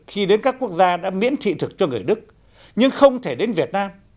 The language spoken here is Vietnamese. khi đến các quốc gia đã miễn thị thực cho người đức nhưng không thể đến việt nam